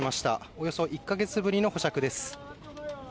およそ１か月ぶりの保釈です。